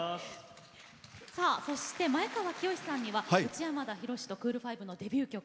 さあそして前川清さんには内山田洋とクール・ファイブのデビュー曲